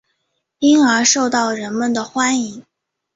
因而受到人们的欢迎。